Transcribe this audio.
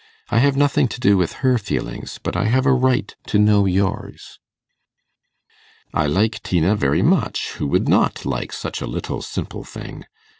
I have nothing to do with her feelings, but I have a right to know yours.' 'I like Tina very much; who would not like such a little simple thing?